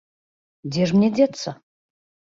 Дзе ж мне дзецца?